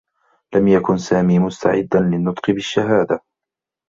لم يكن سامي مستعدّا للنّطق بالشّهادة.